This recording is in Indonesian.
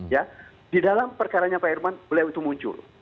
ya di dalam perkaranya pak irman beliau itu muncul